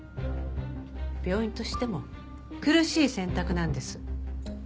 病院としても苦しい選択なんです。